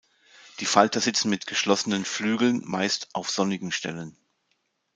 Die Falter sitzen mit geschlossenen Flügeln meist auf sonnigen Stellen.